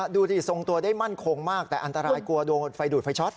ดูดิทรงตัวได้มั่นคงมากแต่อันตรายกลัวโดนไฟดูดไฟช็อต